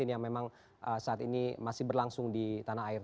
yang memang saat ini masih berlangsung di tanah air